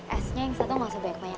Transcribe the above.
esnya yang satu gak sebaik banyak